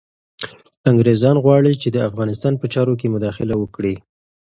انګریزان غواړي چي د افغانستان په چارو کي مداخله وکړي.